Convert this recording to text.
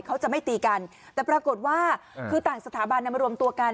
เขาจะไม่ตีกันแต่ปรากฏว่าคือต่างสถาบันมารวมตัวกัน